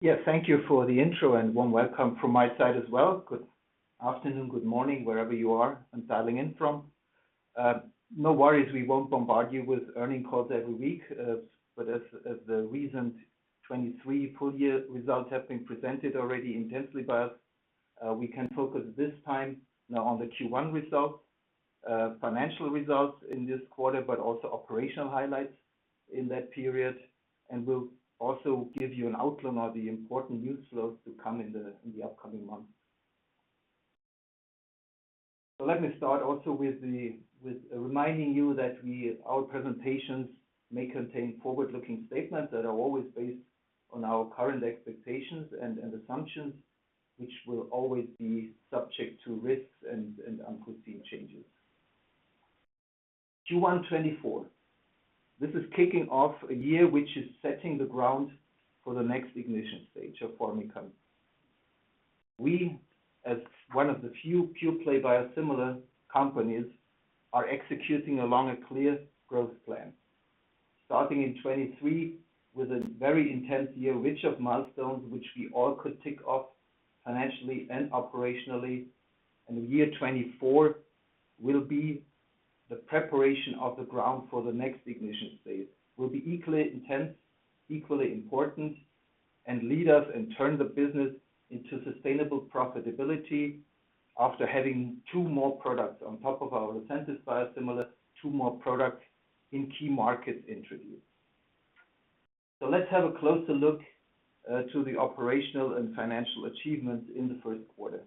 Yes, thank you for the intro, and warm welcome from my side as well. Good afternoon, good morning, wherever you are and dialing in from. No worries, we won't bombard you with earnings calls every week, but as the recent 2023 full year results have been presented already intensely by us, we can focus this time now on the Q1 results, financial results in this quarter, but also operational highlights in that period. And we'll also give you an outlook on the important news flows to come in the upcoming months. So let me start also with reminding you that we, our presentations may contain forward-looking statements that are always based on our current expectations and assumptions, which will always be subject to risks and unforeseen changes. Q1 2024, this is kicking off a year which is setting the ground for the next ignition stage of Formycon. We, as one of the few pure-play biosimilar companies, are executing along a clear growth plan. Starting in 2023, with a very intense year, rich of milestones, which we all could tick off financially and operationally. The year 2024 will be the preparation of the ground for the next ignition phase, will be equally intense, equally important, and lead us and turn the business into sustainable profitability after having two more products on top of our existing biosimilar, two more products in key markets introduced. So let's have a closer look to the operational and financial achievements in the first quarter.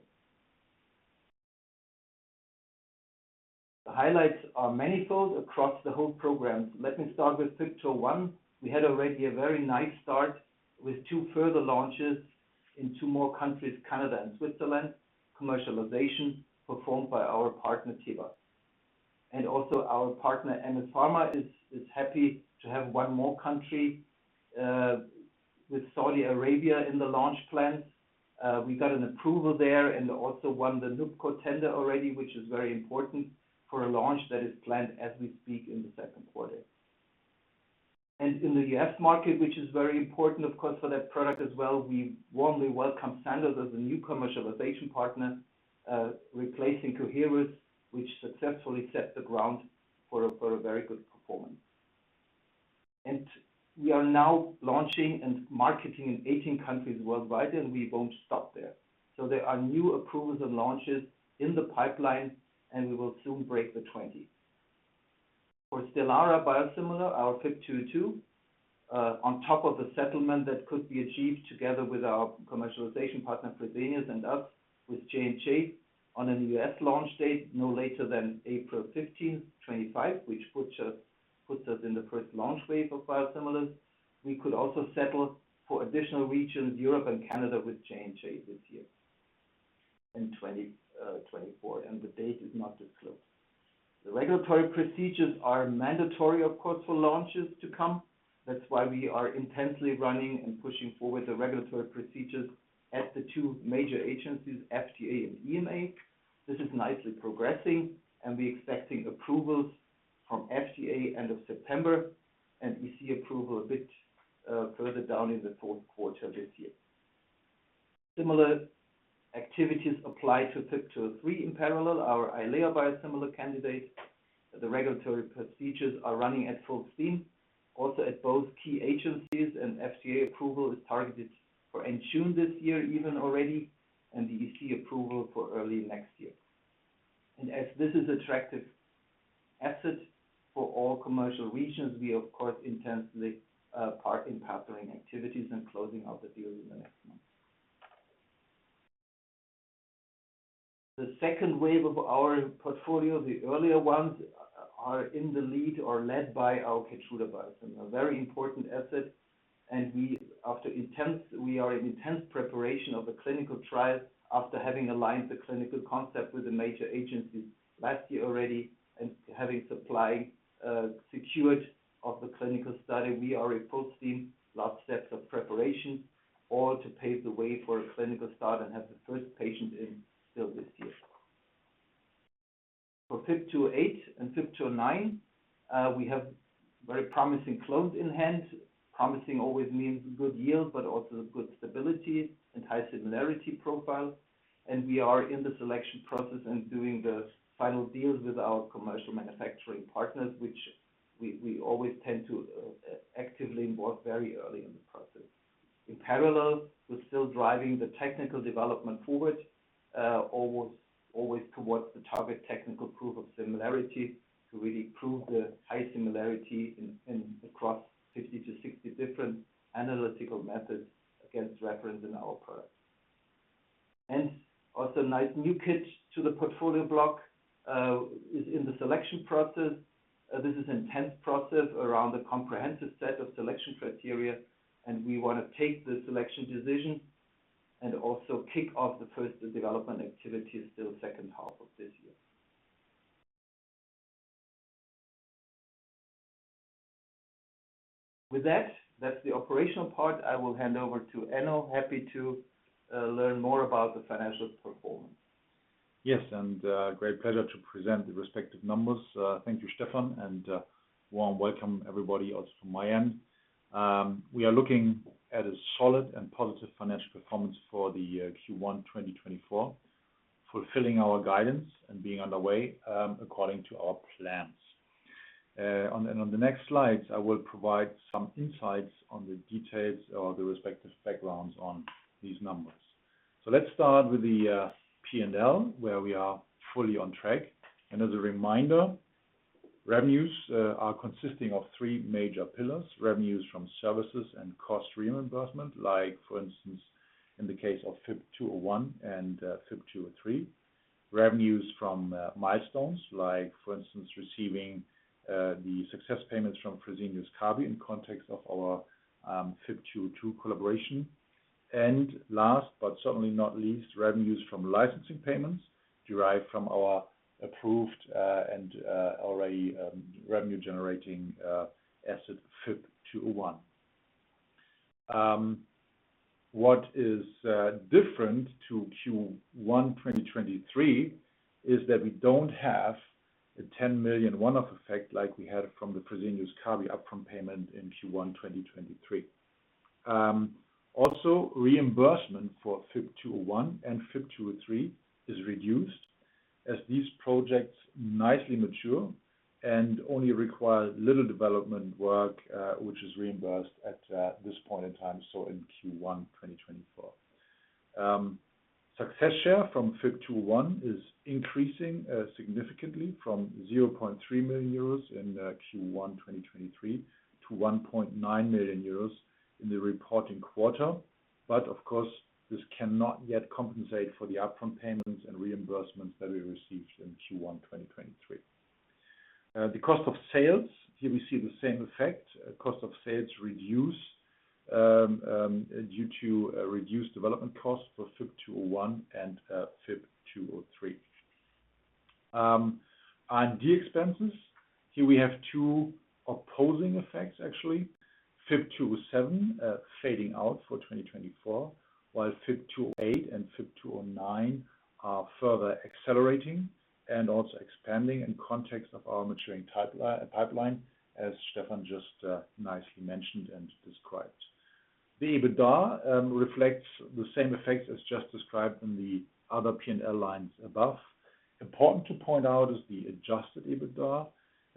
The highlights are manifold across the whole program. Let me start with FYB201. We had already a very nice start with 2 further launches in 2 more countries, Canada and Switzerland. Commercialization performed by our partner, Teva. Our partner, MS Pharma, is happy to have 1 more country, with Saudi Arabia in the launch plans. We got an approval there and also won the NUPCO tender already, which is very important for a launch that is planned as we speak in the second quarter. In the U.S. market, which is very important, of course, for that product as well, we warmly welcome Sandoz as a new commercialization partner, replacing Coherus, which successfully set the ground for a very good performance. We are now launching and marketing in 18 countries worldwide, and we won't stop there. So there are new approvals and launches in the pipeline, and we will soon break the 20. For Stelara biosimilar, our FYB202, on top of the settlement that could be achieved together with our commercialization partner, Fresenius, and us with J&J, on a U.S. launch date, no later than April 15, 2025, which puts us in the first launch wave of biosimilars. We could also settle for additional regions, Europe and Canada, with J&J this year in 2024, and the date is not disclosed. The regulatory procedures are mandatory, of course, for launches to come. That's why we are intensely running and pushing forward the regulatory procedures at the two major agencies, FDA and EMA. This is nicely progressing, and we're expecting approvals from FDA end of September, and EC approval a bit further down in the fourth quarter this year. Similar activities apply to FYB203 in parallel, our Eylea biosimilar candidate. The regulatory procedures are running at full steam, also at both key agencies, and FDA approval is targeted for end June this year, even already, and the EC approval for early next year. As this is attractive asset for all commercial regions, we of course, intensely, part in partnering activities and closing out the deal in the next month. The second wave of our portfolio, the earlier ones, are in the lead or led by our Keytruda biosimilar. A very important asset, and we after intense- we are in intense preparation of a clinical trial after having aligned the clinical concept with the major agencies last year already, and having supply, secured of the clinical study. We are in full steam, last steps of preparation, all to pave the way for a clinical start and have the first patient in still this year. For FYB208 and FYB209, we have very promising clones in hand. Promising always means good yield, but also good stability and high similarity profile. And we are in the selection process and doing the final deals with our commercial manufacturing partners, which we, we always tend to, actively work very early in the process. In parallel, we're still driving the technical development forward, always, always towards the target technical proof of similarity, to really prove the high similarity in, in across 50-60 different analytical methods against reference in our products. And also, FYB210 to the portfolio, is in the selection process. This is intense process around a comprehensive set of selection criteria, and we want to take the selection decision and also kick off the first development activities still second half of this year. With that, that's the operational part. I will hand over to Enno. Happy to learn more about the financial performance. Yes, and great pleasure to present the respective numbers. Thank you, Stefan, and warm welcome everybody else from my end. We are looking at a solid and positive financial performance for the Q1 2024, fulfilling our guidance and being underway according to our plans. On the next slides, I will provide some insights on the details or the respective backgrounds on these numbers. So let's start with the P&L, where we are fully on track. And as a reminder, revenues are consisting of three major pillars, revenues from services and cost reimbursement, like for instance, in the case of FYB201 and FYB203. Revenues from milestones, like for instance, receiving the success payments from Fresenius Kabi in context of our FYB202 collaboration. And last but certainly not least, revenues from licensing payments derived from our approved and already revenue generating asset FYB201. What is different to Q1 2023 is that we don't have a 10 million one-off effect like we had from the Fresenius Kabi upfront payment in Q1 2023. Also, reimbursement for FYB201 and FYB203 is reduced as these projects nicely mature and only require little development work, which is reimbursed at this point in time, so in Q1 2024. Success share from FYB201 is increasing significantly from 0.3 million euros in Q1 2023 to 1.9 million euros in the reporting quarter. But of course, this cannot yet compensate for the upfront payments and reimbursements that we received in Q1 2023. The cost of sales, here we see the same effect. Cost of sales reduce due to reduced development costs for FYB201 and FYB203. R&D expenses, here we have two opposing effects, actually. FYB207 fading out for 2024, while FYB208 and FYB209 are further accelerating and also expanding in context of our maturing pipeline, as Stefan just nicely mentioned and described. The EBITDA reflects the same effects as just described in the other P&L lines above. Important to point out is the Adjusted EBITDA,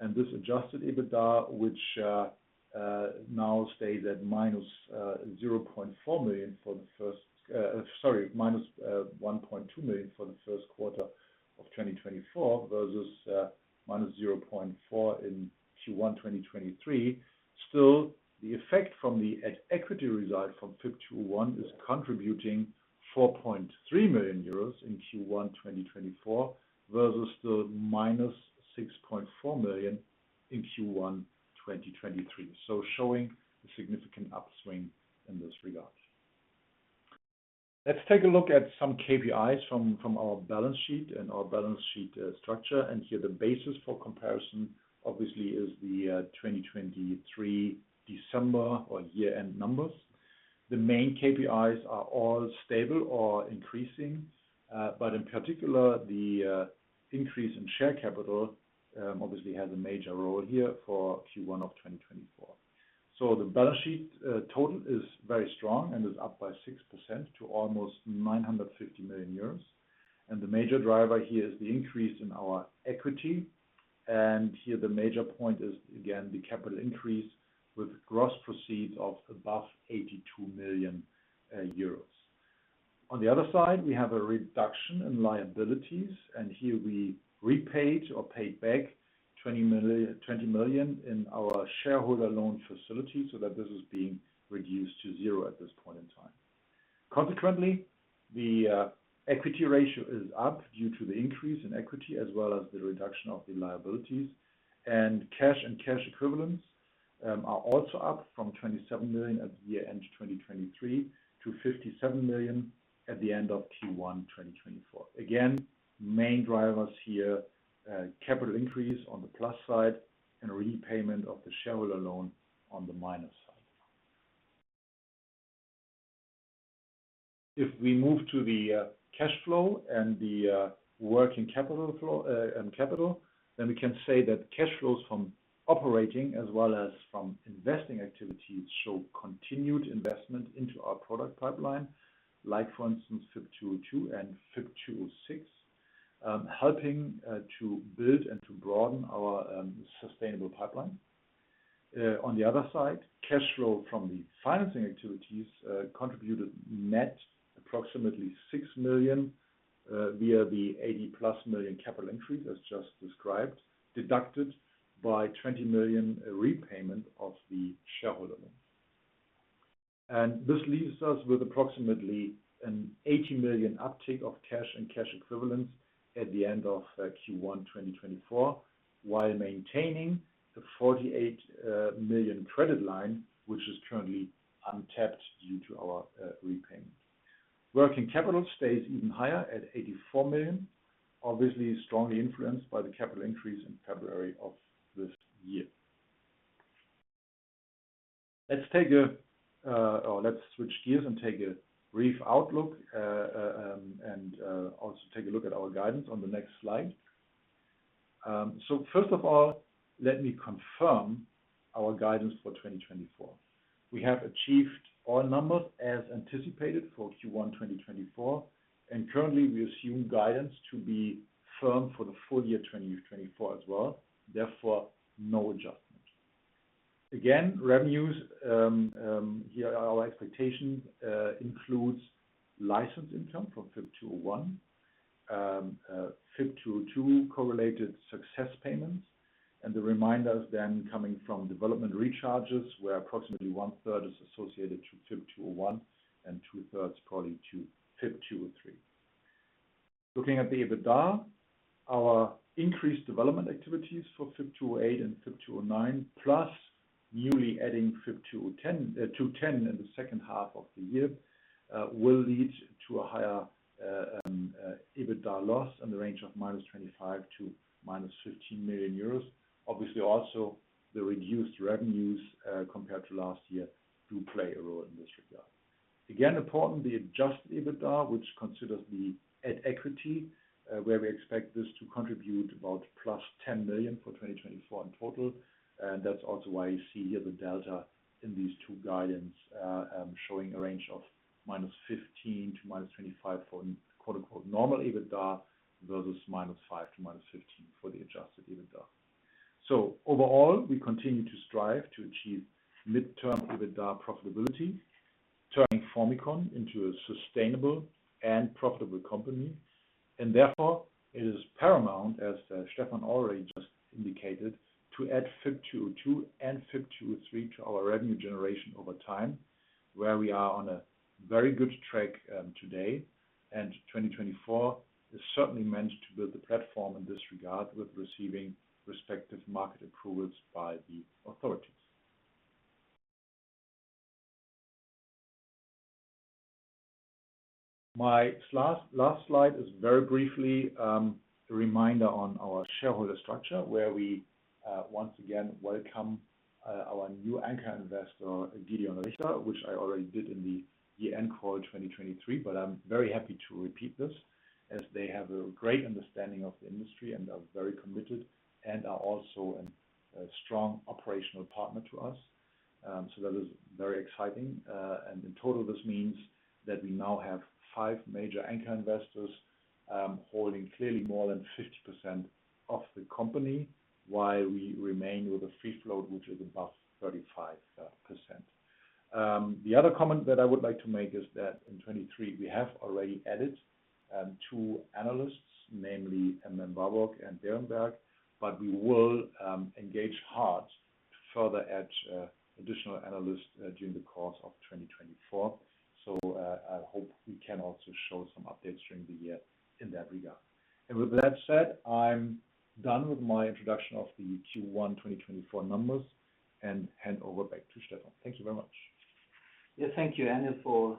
and this Adjusted EBITDA, which now stays at -0.4 million for the first, sorry, -1.2 million for the first quarter of 2024, versus -0.4 million in Q1 2023. Still, the effect from the at equity result from FYB201 is contributing 4.3 million euros in Q1 2024, versus the -6.4 million in Q1 2023. So showing a significant upswing in this regard. Let's take a look at some KPIs from our balance sheet structure. And here, the basis for comparison, obviously, is the 2023 December or year-end numbers. The main KPIs are all stable or increasing, but in particular, the increase in share capital obviously has a major role here for Q1 of 2024. The balance sheet total is very strong and is up by 6% to almost 950 million euros. The major driver here is the increase in our equity. Here, the major point is, again, the capital increase with gross proceeds of above 82 million euros. On the other side, we have a reduction in liabilities, and here we repaid or paid back 20 million in our shareholder loan facility, so that this is being reduced to zero at this point in time. Consequently, the equity ratio is up due to the increase in equity, as well as the reduction of the liabilities. Cash and cash equivalents are also up from 27 million at the end of 2023 to 57 million at the end of Q1 2024. Again, main drivers here, capital increase on the plus side and repayment of the shareholder loan on the minus side. If we move to the cash flow and the working capital flow and capital, then we can say that cash flows from operating as well as from investing activities show continued investment into our product pipeline, like for instance, FYB202 and FYB206, helping to build and to broaden our sustainable pipeline. On the other side, cash flow from the financing activities contributed net approximately 6 million via the 80+ million capital increase, as just described, deducted by 20 million repayment of the shareholder loan. This leaves us with approximately an 80 million uptick of cash and cash equivalents at the end of Q1 2024, while maintaining the 48 million credit line, which is currently untapped due to our repayment. Working capital stays even higher at 84 million, obviously, strongly influenced by the capital increase in February of this year.... Let's switch gears and take a brief outlook, and also take a look at our guidance on the next slide. So first of all, let me confirm our guidance for 2024. We have achieved all numbers as anticipated for Q1 2024, and currently, we assume guidance to be firm for the full year 2024 as well, therefore, no adjustment. Again, revenues, here our expectation includes license income from FYB201, FYB202-correlated success payments, and the remainder then coming from development recharges, where approximately one-third is associated to FYB201, and two-thirds probably to FYB203. Looking at the EBITDA, our increased development activities for FYB208 and FYB209, plus newly adding FYB210 in the second half of the year, will lead to a higher EBITDA loss in the range of -25 million--15 million euros. Obviously, also, the reduced revenues, compared to last year do play a role in this regard. Again, importantly, adjusted EBITDA, which considers the at equity, where we expect this to contribute about +10 million for 2024 in total. That's also why you see here the delta in these two guidance, showing a range of -15 to -25 for, quote, unquote, “normal EBITDA,” versus -5 to -15 for the adjusted EBITDA. Overall, we continue to strive to achieve midterm EBITDA profitability, turning Formycon into a sustainable and profitable company. Therefore, it is paramount, as Stefan already just indicated, to add FYB202 and FYB203 to our revenue generation over time, where we are on a very good track, today, and 2024 is certainly meant to build the platform in this regard with receiving respective market approvals by the authorities. My last slide is very briefly a reminder on our shareholder structure, where we once again welcome our new anchor investor, Gedeon Richter, which I already did in the year-end call 2023. But I'm very happy to repeat this, as they have a great understanding of the industry and are very committed, and are also a strong operational partner to us. So that is very exciting. And in total, this means that we now have five major anchor investors holding clearly more than 50% of the company, while we remain with a free float which is above 35%. The other comment that I would like to make is that in 2023, we have already added two analysts, namely, MM Warburg and Berenberg, but we will engage hard to further add additional analysts during the course of 2024. So, I hope we can also show some updates during the year in that regard. With that said, I'm done with my introduction of the Q1 2024 numbers, and hand over back to Stefan. Thank you very much. Yeah, thank you, Enno, for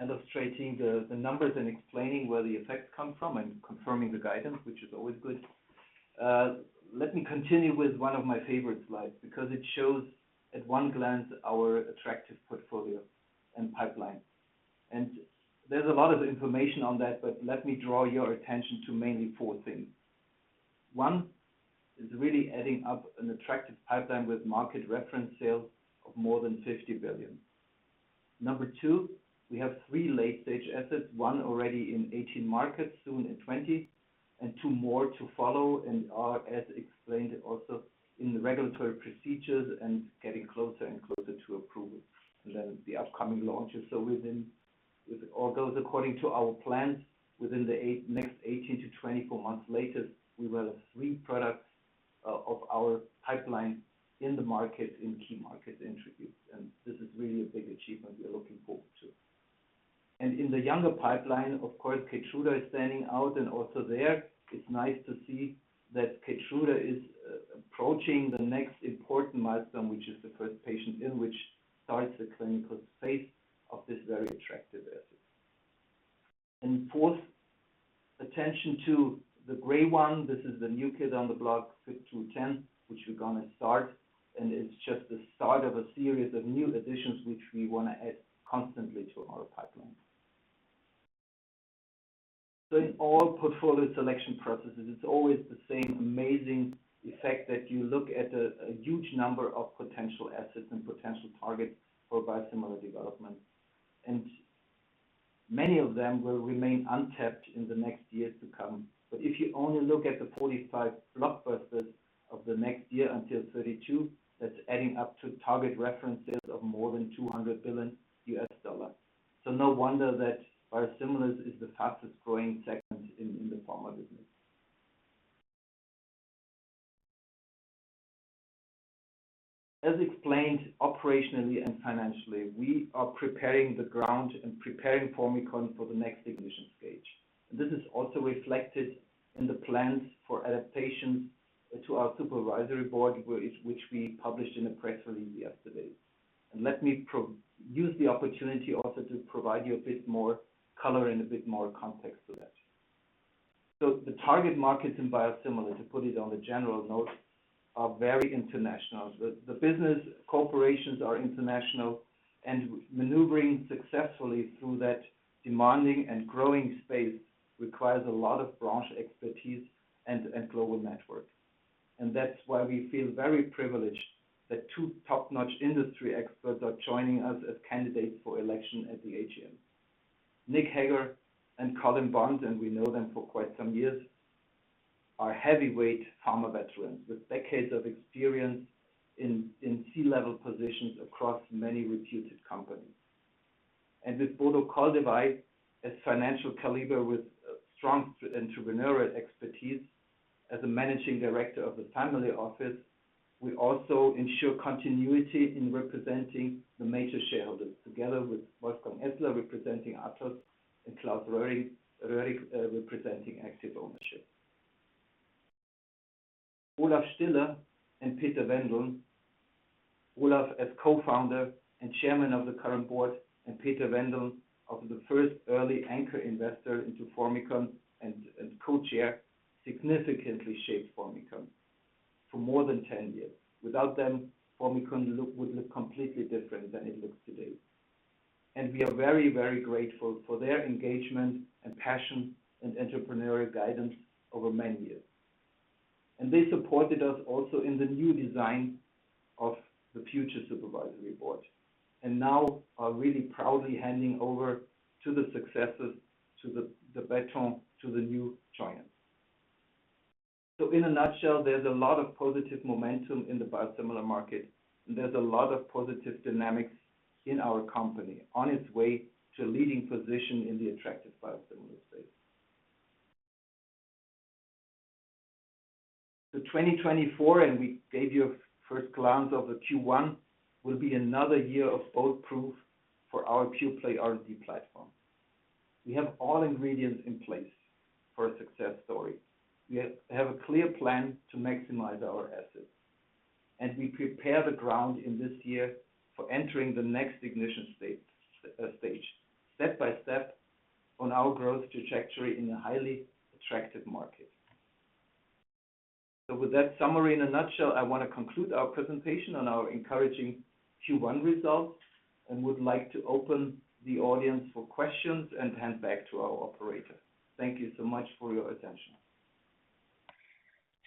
illustrating the numbers and explaining where the effects come from and confirming the guidance, which is always good. Let me continue with one of my favorite slides, because it shows at one glance, our attractive portfolio and pipeline. There's a lot of information on that, but let me draw your attention to mainly four things. One, is really adding up an attractive pipeline with market reference sales of more than $50 billion. Number two, we have three late-stage assets, one already in 18 markets, soon in 20, and 2 more to follow, and are, as explained, also in the regulatory procedures and getting closer and closer to approval, and then the upcoming launches. So with all those according to our plans, within the next 18-24 months later, we will have three products of our pipeline in the market, in key market introduced. And this is really a big achievement we are looking forward to. And in the younger pipeline, of course, Keytruda is standing out, and also there, it's nice to see that Keytruda is approaching the next important milestone, which is the first patient in which starts the clinical phase of this very attractive asset. And fourth, attention to the gray one. This is the new kid on the block, FYB210, which we're going to start, and it's just the start of a series of new additions, which we want to add constantly to our pipeline. So in all portfolio selection processes, it's always the same amazing effect that you look at a huge number of potential assets and potential targets for biosimilar development. Many of them will remain untapped in the next years to come. But if you only look at the 45 blockbusters of the next year until 2032, that's adding up to target reference sales of more than $200 billion. So no wonder that biosimilars is the fastest growing segment in the pharma business. As explained operationally and financially, we are preparing the ground and preparing Formycon for the next ignition stage. This is also reflected in the plans for additions to our supervisory board, which we published in a press release yesterday. Let me use the opportunity also to provide you a bit more color and a bit more context to that.... So the target markets in biosimilars, to put it on the general note, are very international. The business operations are international, and maneuvering successfully through that demanding and growing space requires a lot of broad expertise and global network. And that's why we feel very privileged that two top-notch industry experts are joining us as candidates for election at the AGM. Nick Haggar and Colin Bond, and we know them for quite some years, are heavyweight pharma veterans with decades of experience in C-level positions across many reputed companies. With Bodo Coldewey, as financial caliber, with strong entrepreneurial expertise as a managing director of the family office, we also ensure continuity in representing the major shareholders, together with Wolfgang Essler, representing Athos, and Klaus Röhring representing Active Ownership. Olaf Stiller and Peter Wendeln. Olaf, as co-founder and chairman of the current board, and Peter Wendeln as the first early anchor investor into Formycon and co-chair, significantly shaped Formycon for more than 10 years. Without them, Formycon would look completely different than it looks today. We are very, very grateful for their engagement and passion and entrepreneurial guidance over many years. They supported us also in the new design of the future supervisory board, and now are really proudly handing over to the successors, to the baton, to the new giants. So in a nutshell, there's a lot of positive momentum in the biosimilar market, and there's a lot of positive dynamics in our company on its way to a leading position in the attractive biosimilar space. So 2024, and we gave you a first glance of the Q1, will be another year of bold proof for our pure-play R&D platform. We have all ingredients in place for a success story. We have a clear plan to maximize our assets, and we prepare the ground in this year for entering the next ignition stage, step by step on our growth trajectory in a highly attractive market. So with that summary, in a nutshell, I want to conclude our presentation on our encouraging Q1 results, and would like to open the audience for questions and hand back to our operator. Thank you so much for your attention.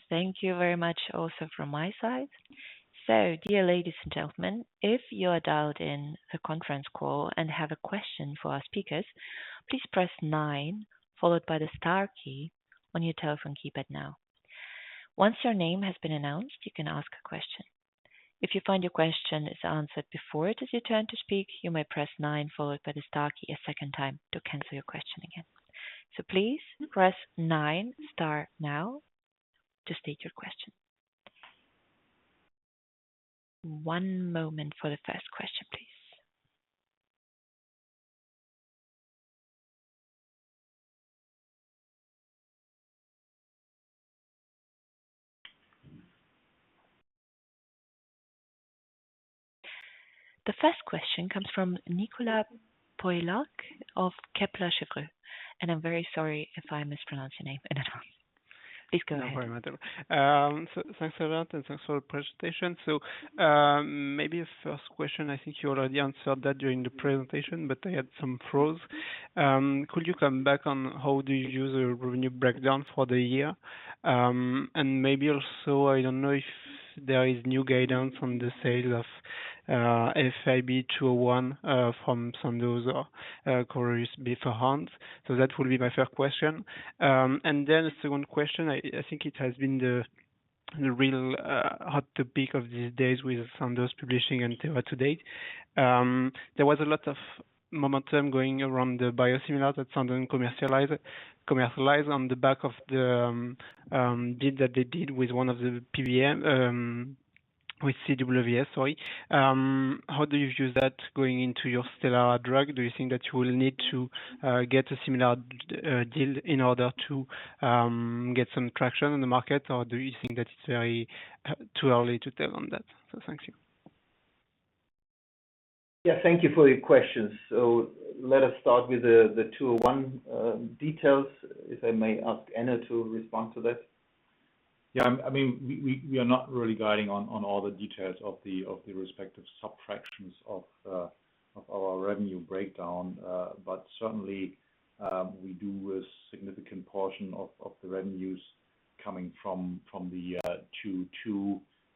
Thank you very much, also from my side. So dear ladies and gentlemen, if you are dialed in the conference call and have a question for our speakers, please press nine, followed by the star key on your telephone keypad now. Once your name has been announced, you can ask a question. If you find your question is answered before it is your turn to speak, you may press nine, followed by the star key a second time to cancel your question again. So please press nine star now to state your question. One moment for the first question, please. The first question comes from Nicolas Pauillac of Kepler Cheuvreux, and I'm very sorry if I mispronounced your name in advance. Please go ahead. No worry, madam. So thanks a lot and thanks for the presentation. So maybe the first question, I think you already answered that during the presentation, but I had some pros. Could you come back on how do you use a revenue breakdown for the year? And maybe also, I don't know if there is new guidance from the sale of FYB201 from Sandoz or Coherus beforehand. So that will be my first question. And then the second question, I think it has been the real hot topic of these days with Sandoz, Novartis and Teva today. There was a lot of momentum going around the biosimilar that Sandoz commercialize on the back of the deal that they did with one of the PBM with CVS, sorry. How do you use that going into your Stelara drug? Do you think that you will need to get a similar deal in order to get some traction in the market, or do you think that it's very too early to tell on that? So thank you. Yeah, thank you for your questions. So let us start with the two oh one details. If I may ask Enno to respond to that. Yeah, I mean, we are not really guiding on all the details of the respective sub-segments of our revenue breakdown. But certainly, we do a significant portion of the revenues coming from the two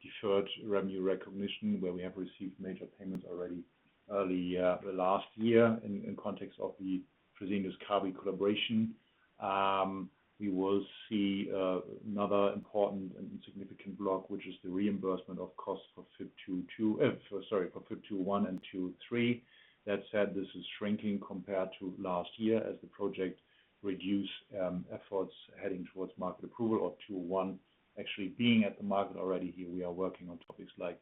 deferred revenue recognition, where we have received major payments already early last year in context of the Fresenius Kabi collaboration. We will see another important and significant block, which is the reimbursement of costs for FYB202, sorry, for FYB201 and FYB203. That said, this is shrinking compared to last year, as the project reduce efforts heading towards market approval of FYB201. Actually, being at the market already here, we are working on topics like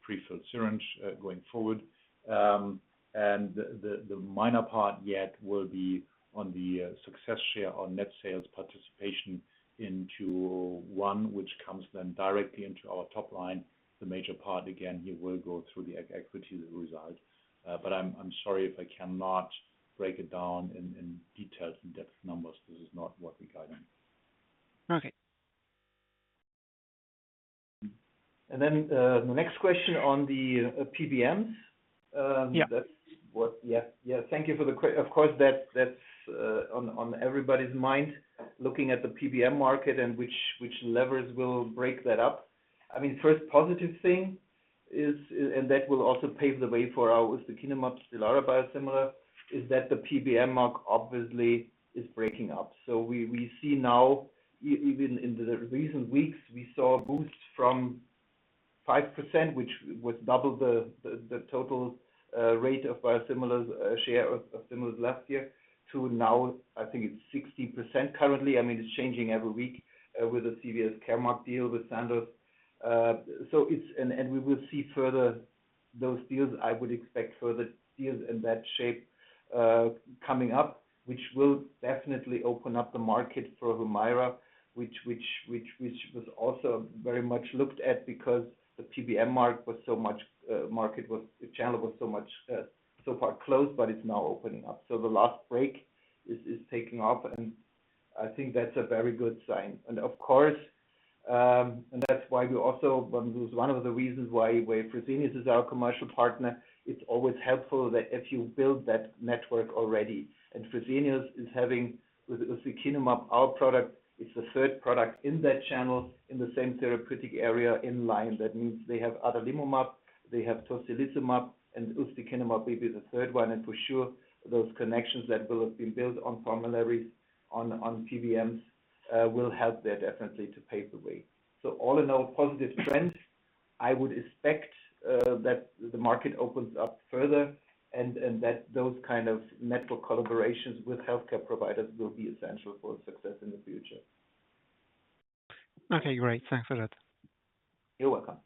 prefilled syringe going forward. and the minor part yet will be on the success share on net sales participation in 201, which comes then directly into our top line. The major part, again, here will go through the equity result. But I'm, I'm sorry if I cannot break it down in, in details and depth numbers. This is not what we guide in. Okay. And then, the next question on the PBMs. Yeah. Yeah, yeah, thank you. Of course, that's, that's, on everybody's mind, looking at the PBM market and which levers will break that up. I mean, first positive thing is, and that will also pave the way for our Ustekinumab Stelara biosimilar, is that the PBM market obviously is breaking up. So we see now, even in the recent weeks, we saw a boost from 5%, which was double the total rate of biosimilars share last year, to now, I think it's 60% currently. I mean, it's changing every week, with the CVS Caremark deal with Sandoz. So it's, and we will see further those deals. I would expect further deals in that shape coming up, which will definitely open up the market for Humira, which was also very much looked at because the channel was so much so far closed, but it's now opening up. So the last break is taking off, and I think that's a very good sign. Of course, that's one of the reasons why Fresenius is our commercial partner. It's always helpful that if you build that network already, and Fresenius is having with Ustekinumab, our product, it's the third product in that channel in the same therapeutic area in line. That means they have Adalimumab, they have Tocilizumab, and Ustekinumab will be the third one. And for sure, those connections that will have been built on formularies, on PBMs, will help there definitely to pave the way. So all in all, positive trends, I would expect, that the market opens up further and that those kind of network collaborations with healthcare providers will be essential for success in the future. Okay, great. Thanks a lot. You're welcome.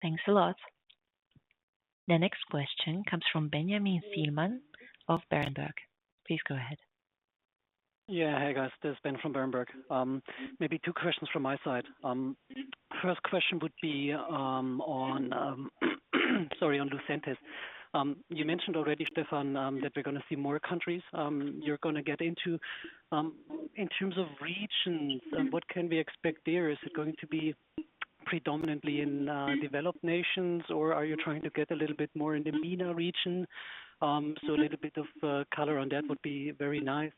Thanks a lot. The next question comes from Benjamin Thielmann of Berenberg. Please go ahead. Yeah. Hey, guys, this is Ben from Berenberg. Maybe two questions from my side. First question would be, sorry, on Lucentis. You mentioned already, Stefan, that we're going to see more countries you're going to get into. In terms of regions, what can we expect there? Is it going to be predominantly in developed nations, or are you trying to get a little bit more in the MENA region? So a little bit of color on that would be very nice.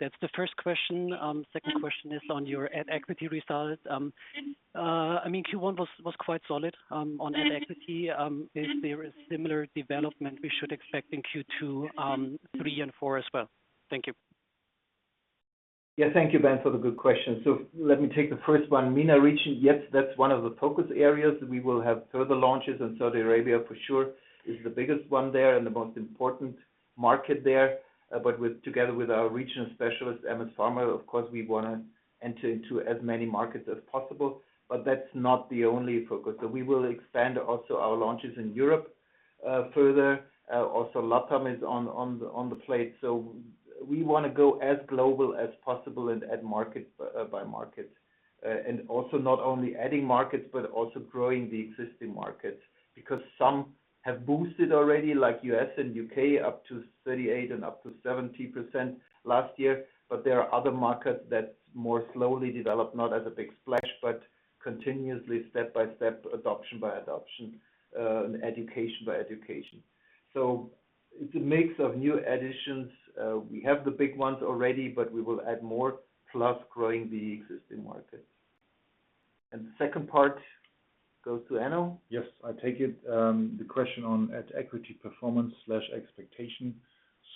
That's the first question. Second question is on your at equity result. I mean, Q1 was quite solid on at equity. Is there a similar development we should expect in Q2, three and four as well? Thank you. Yeah, thank you, Ben, for the good question. So let me take the first one. MENA region, yes, that's one of the focus areas. We will have further launches in Saudi Arabia for sure, is the biggest one there and the most important market there. But together with our regional specialist, MS Pharma, of course, we want to enter into as many markets as possible, but that's not the only focus. So we will expand also our launches in Europe, further. Also Latam is on the plate, so we want to go as global as possible and add market by market. And also not only adding markets, but also growing the existing markets, because some have boosted already, like U.S. and U.K., up to 38% and up to 70% last year. But there are other markets that more slowly develop, not as a big splash, but continuously step by step, adoption by adoption, and education by education. So it's a mix of new additions. We have the big ones already, but we will add more, plus growing the existing markets. And the second part goes to Enno. Yes, I take it. The question on at-equity performance expectation.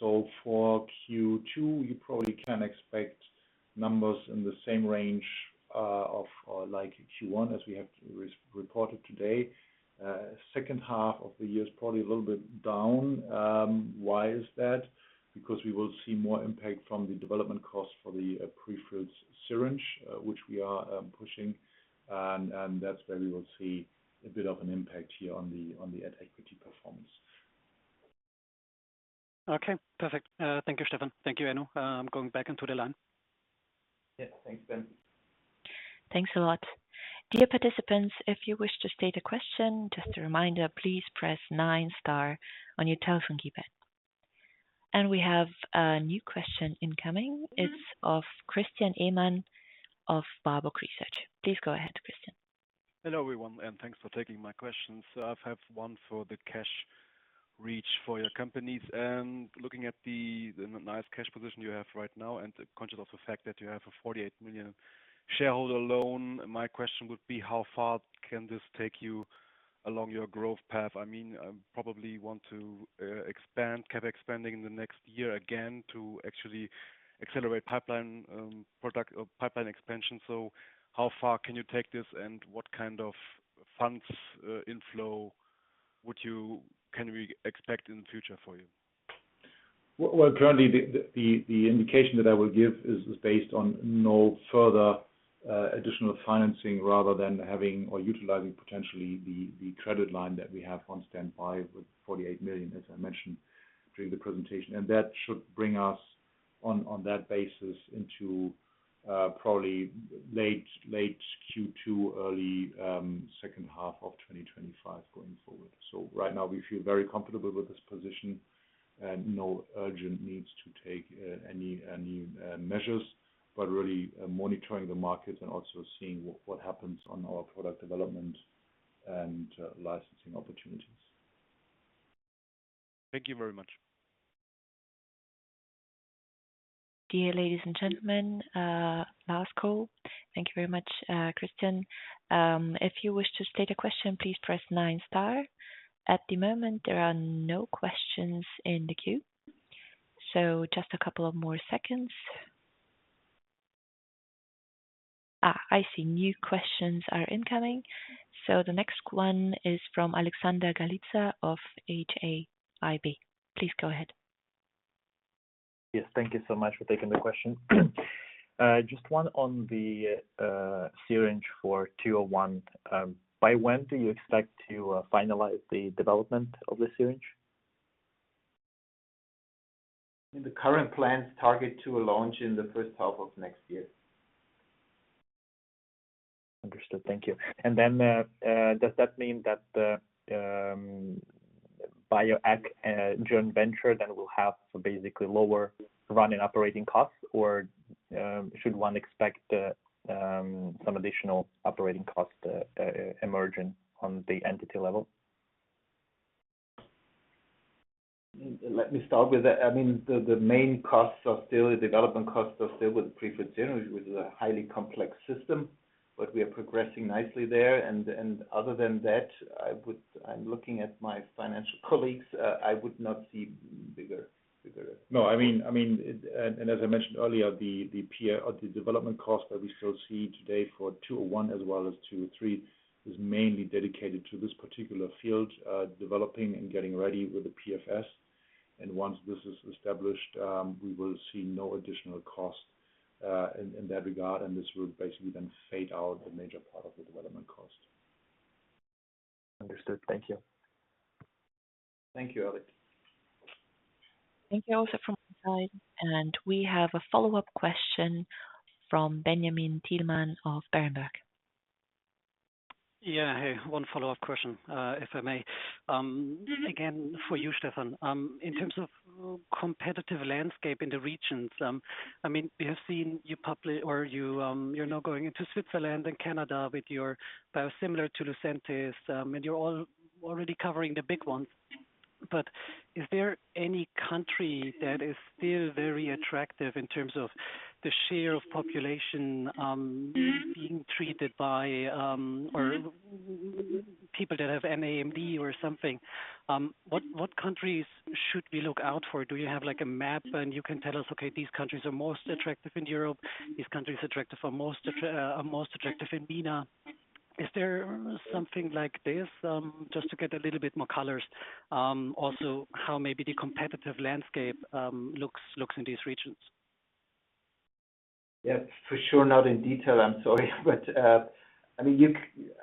So for Q2, you probably can expect numbers in the same range like Q1, as we have reported today. Second half of the year is probably a little bit down. Why is that? Because we will see more impact from the development cost for the pre-filled syringe, which we are pushing. And that's where we will see a bit of an impact here on the at-equity performance. Okay, perfect. Thank you, Stefan. Thank you, Enno. I'm going back into the line. Yeah. Thanks, Ben. Thanks a lot. Dear participants, if you wish to state a question, just a reminder, please press nine star on your telephone keypad. And we have a new question incoming. It's of Christian Ehmann of Baader Research. Please go ahead, Christian. Hello, everyone, and thanks for taking my questions. So I have one for the cash reach for your companies. And looking at the nice cash position you have right now and conscious of the fact that you have a 48 million shareholder loan, my question would be: How far can this take you along your growth path? I mean, probably you want to expand, keep expanding in the next year again, to actually accelerate pipeline, product or pipeline expansion. So how far can you take this, and what kind of funds inflow can we expect in the future for you? Well, currently, the indication that I will give is based on no further-... additional financing rather than having or utilizing potentially the credit line that we have on standby with 48 million, as I mentioned during the presentation. That should bring us on that basis into probably late Q2, early second half of 2025 going forward. So right now, we feel very comfortable with this position and no urgent needs to take any measures, but really monitoring the markets and also seeing what happens on our product development and licensing opportunities. Thank you very much. Dear ladies and gentlemen, last call. Thank you very much, Christian. If you wish to state a question, please press nine star. At the moment, there are no questions in the queue, so just a couple of more seconds. Ah, I see new questions are incoming, so the next one is from Alexander Galitsa of HAIB. Please go ahead. Yes, thank you so much for taking the question. Just one on the syringe for 201. By when do you expect to finalize the development of the syringe? In the current plans, target to launch in the first half of next year. Understood. Thank you. And then, does that mean that the Bioeq joint venture then will have basically lower running operating costs? Or, should one expect some additional operating costs emerging on the entity level? Let me start with that. I mean, the main costs are still the development costs are still with the prefilled syringe, which is a highly complex system, but we are progressing nicely there. And other than that, I would, I'm looking at my financial colleagues, I would not see bigger, bigger- No, I mean, and as I mentioned earlier, the PA or the development cost that we still see today for 201 as well as 203, is mainly dedicated to this particular field, developing and getting ready with the PFS. And once this is established, we will see no additional cost, in that regard, and this would basically then fade out the major part of the development cost. Understood. Thank you. Thank you, Alex. Thank you also from my side. We have a follow-up question from Benjamin Thielmann of Berenberg. Yeah. Hey, one follow-up question, if I may. Again, for you, Stefan, in terms of competitive landscape in the regions, I mean, we have seen you public or you, you're now going into Switzerland and Canada with your biosimilar to Lucentis, and you're all already covering the big ones. But is there any country that is still very attractive in terms of the share of population, being treated by, or people that have NAMD or something? What countries should we look out for? Do you have, like, a map and you can tell us, "Okay, these countries are most attractive in Europe, these countries attractive for most, are most attractive in MENA." Is there something like this? Just to get a little bit more colors. Also, how maybe the competitive landscape looks in these regions. Yeah, for sure. Not in detail, I'm sorry. But, I mean,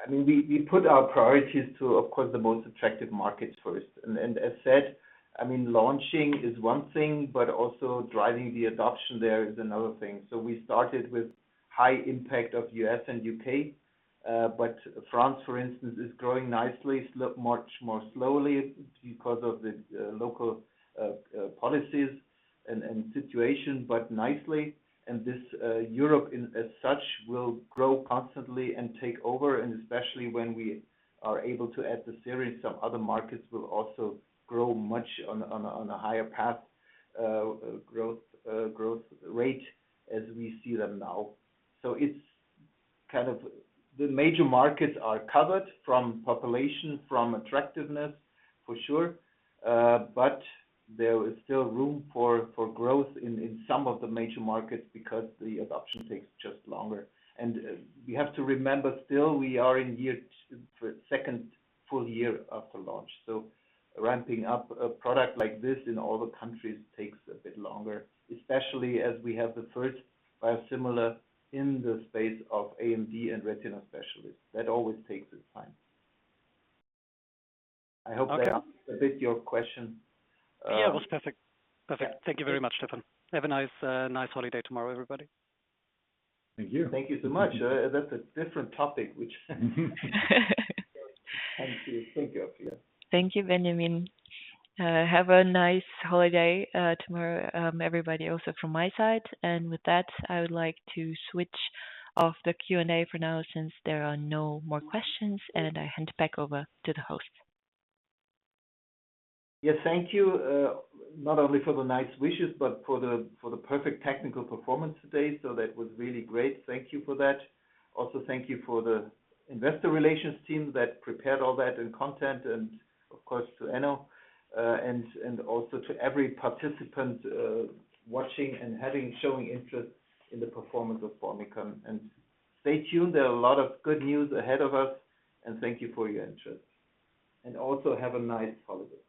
we put our priorities to, of course, the most attractive markets first. And, as said, I mean, launching is one thing, but also driving the adoption there is another thing. So we started with high impact of U.S. and U.K., but France, for instance, is growing nicely, much more slowly because of the local policies and situation, but nicely. And this, Europe in as such, will grow constantly and take over, and especially when we are able to add the series, some other markets will also grow much on a higher path, growth rate as we see them now. So it's kind of the major markets are covered from population, from attractiveness, for sure, but there is still room for growth in some of the major markets because the adoption takes just longer. And we have to remember still, we are in the second full year after launch. So ramping up a product like this in all the countries takes a bit longer, especially as we have the first biosimilar in the space of AMD and retina specialists. That always takes its time. I hope that- Okay. - answers a bit your question, Yeah, it was perfect. Perfect. Yeah. Thank you very much, Stefan. Have a nice, nice holiday tomorrow, everybody. Thank you. Thank you so much. That's a different topic, which thank you. Thank you. Thank you, Benjamin. Have a nice holiday tomorrow, everybody, also from my side. With that, I would like to switch off the Q&A for now, since there are no more questions, and I hand it back over to the host. Yes, thank you, not only for the nice wishes, but for the, for the perfect technical performance today. So that was really great. Thank you for that. Also, thank you for the investor relations team that prepared all that and content, and of course, to Enno, and also to every participant, watching and having, showing interest in the performance of Formycon. And stay tuned, there are a lot of good news ahead of us, and thank you for your interest, and also have a nice holiday.